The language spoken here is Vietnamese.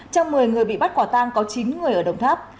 trong một mươi người bị bắt quả tang có chín người ở đồng tháp